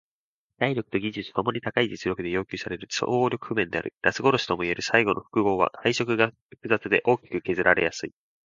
体力と技術共に高い実力で要求される総合力譜面である。ラス殺しともいえる最後の複合は配色が複雑で大きく削られやすい。